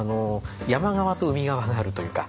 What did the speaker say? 山側と海側があるというか。